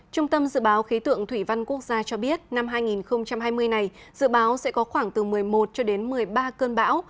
trung tâm dự báo khí tượng thủy văn quốc gia cho biết năm hai nghìn hai mươi này dự báo sẽ có khoảng từ một mươi một cho đến một mươi ba cơn bão